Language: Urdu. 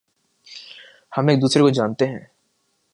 ہم ایک دوسرے کو جانتے ہیں